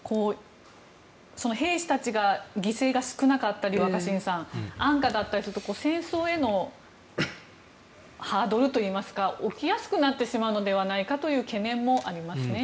兵士たちが犠牲が少なかったり安価だったりすると戦争へのハードルといいますか起きやすくなってしまうのではないかという懸念もありますね。